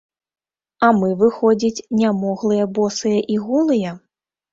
А мы, выходзіць, нямоглыя, босыя і голыя?